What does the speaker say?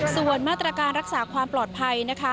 ส่วนมาตรการรักษาความปลอดภัยนะคะ